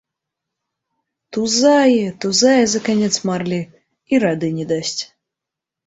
Тузае, тузае за канец марлі і рады не дасць.